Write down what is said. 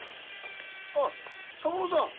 あっ三郎さん。